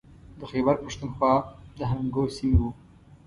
د خیبر پښتونخوا د هنګو سیمې و.